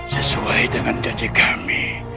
sesuai dengan janji kami